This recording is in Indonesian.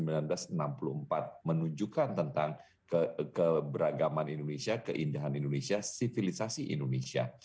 jadi ini menunjukkan tentang keberagaman indonesia keindahan indonesia sivilisasi indonesia